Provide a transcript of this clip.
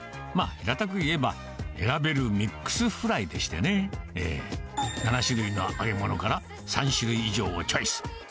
まあ、平たく言えば、選べるミックスフライでしてね、７種類の揚げ物から、３種類以上をチョイス。